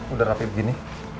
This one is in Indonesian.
udah rapi begini